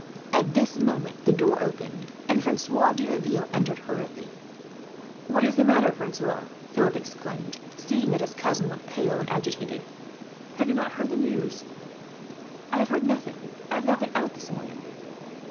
At this moment the door opened, and Francois de Laville entered hurriedly. "What is the matter, Francois?" Philip exclaimed, seeing that his cousin looked pale and agitated. "Have you not heard the news?" "I have heard nothing. I have not been out this morning."